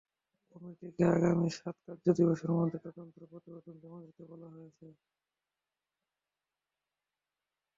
কমিটিকে আগামী সাত কার্য দিবসের মধ্যে তদন্ত প্রতিবেদন জমা দিতে বলা হয়েছে।